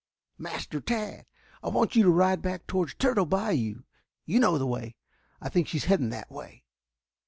"Master Tad, I want you to ride back towards Turtle Bayou. You know the way. I think she is heading that way.